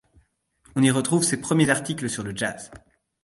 On y trouve ses premiers articles sur le jazz.